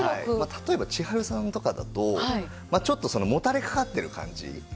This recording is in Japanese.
例えば千春さんとかだとちょっともたれかかってる感じになってますよね